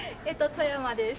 富山です。